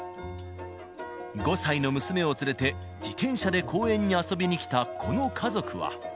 ５歳の娘を連れて、自転車で公園に遊びにきたこの家族は。